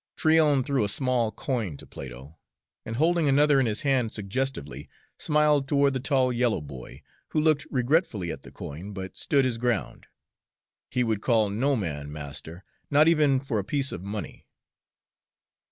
Tryon threw a small coin to Plato, and holding another in his hand suggestively, smiled toward the tall yellow boy, who looked regretfully at the coin, but stood his ground; he would call no man master, not even for a piece of money.